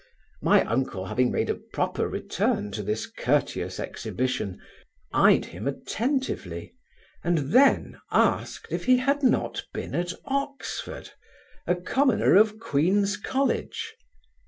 My uncle having made a proper return to this courteous exhibition, eyed him attentively, and then asked if he had not been at Oxford, a commoner of Queen's college?